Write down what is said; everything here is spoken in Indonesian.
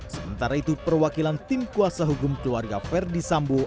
sementara itu perwakilan tim kuasa hukum keluarga ferdisambu